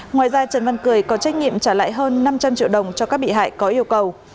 ngoài ra trần văn cười có trách nhiệm trả lại hơn năm trăm linh triệu đồng cho các bị hại có yêu cầu